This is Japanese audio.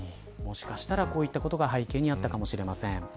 こういったことが背景にあったかもしれません。